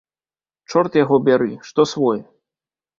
Чорт яго бяры, што свой.